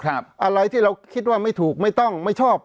อะไรที่เราคิดว่าไม่ถูกไม่ต้องไม่ชอบ